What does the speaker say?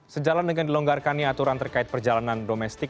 sejalan dengan dilonggarkannya aturan terkait perjalanan domestik